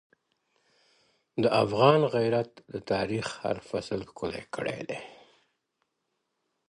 د افغان غیرت د تاریخ هر فصل ښکلی کړی دی.